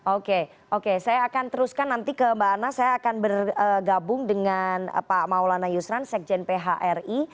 oke oke saya akan teruskan nanti ke mbak ana saya akan bergabung dengan pak maulana yusran sekjen phri